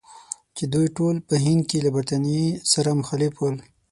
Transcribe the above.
چې دوی ټول په هند کې له برټانیې سره مخالف ول.